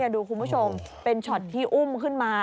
ดูคุณผู้ชมเป็นช็อตที่อุ้มขึ้นมา